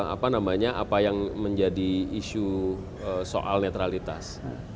apa namanya apa yang menjadi isu soal netralitas